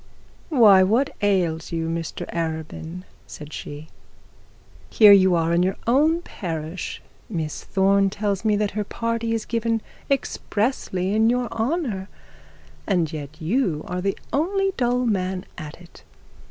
'Why, what ails you, Mr Arabin?' said she, 'here you are in your own parish; Miss Thorne tells me that her party is given expressly in your honour; and yet you are the only dull man in it.